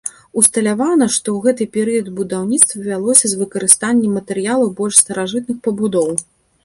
Усталявана, што ў гэты перыяд будаўніцтва вялося з выкарыстаннем матэрыялаў больш старажытных пабудоў.